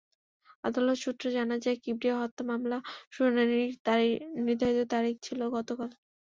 আদালত সূত্রে জানা যায়, কিবরিয়া হত্যা মামলার শুনানির নির্ধারিত তারিখ ছিল গতকাল।